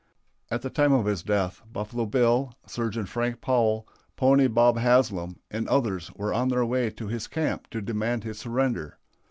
At the time of his death Buffalo Bill, Surgeon Frank Powell, Pony Bob Haslam, and others were on their way to his camp to demand his surrender.